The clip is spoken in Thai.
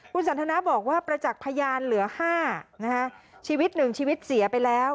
คุณสันทนาบอกว่าประจักษ์พยานเหลือ๕นะคะชีวิต๑ชีวิตเสียไปแล้ว